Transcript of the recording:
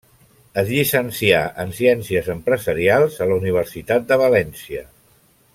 Es llicencià en Ciències Empresarials a la Universitat de València.